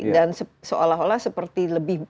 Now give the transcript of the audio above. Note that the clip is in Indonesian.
dan seolah olah seperti